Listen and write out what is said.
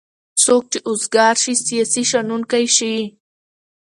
څوک چې اوزګار شی سیاسي شنوونکی شي.